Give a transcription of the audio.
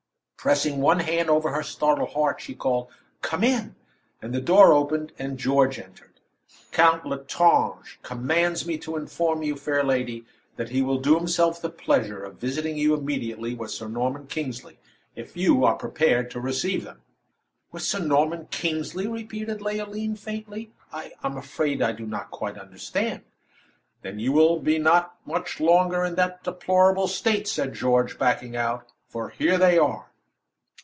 Pressing one hand over her startled heart, she called "Come in!" and the door opened and George entered. "Count L'Estrange commands me to inform you, fair lady, that he will do himself the pleasure of visiting you immediately, with Sir Norman Kingsley, if you are prepared to receive them." "With Sir Norman Kingsley!" repeated Leoline, faintly. "I I am afraid I do not quite understand." "Then you will not be much longer in that deplorable state," said George, backing out, "for here they are."